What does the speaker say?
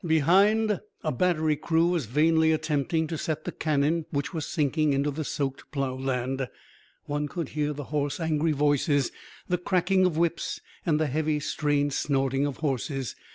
Behind, a battery crew was vainly attempting to set the cannon which were sinking into the soaked plough land. One could hear the hoarse angry voices, the cracking of whips, and the heavy, strained snorting of horses.